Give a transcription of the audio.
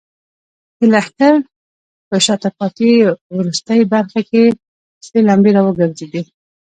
د لښکر په شاته پاتې وروستۍ برخه کې سرې لمبې راوګرځېدې.